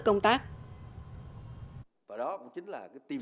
đánh giá công tác